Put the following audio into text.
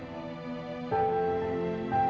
kita udah sampai